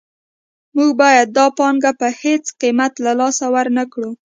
موږ باید دا پانګه په هېڅ قیمت له لاسه ورنکړو